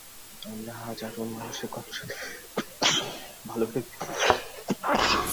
আমরা হাজারও মানুষের কর্মসংস্থান করেছি, ভালো বেতন দিয়েছি।